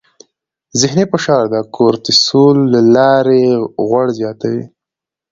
ذهني فشار د کورتیسول له لارې غوړ زیاتوي.